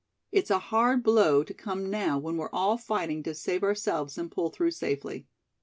It's a hard blow to come now when we're all fighting to save ourselves and pull through safely.